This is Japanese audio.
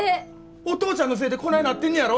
お父ちゃんのせえでこないなってんねやろ？